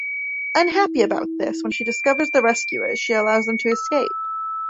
Unhappy about this, when she discovers the rescuers, she allows them to escape.